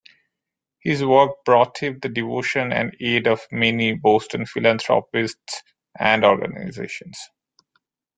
His work brought him the devotion and aid of many Boston philanthropists and organizations.